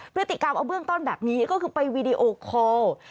พฤติกรรมเอาเบื้องต้นแบบนี้ก็คือไปวีดีโอคอล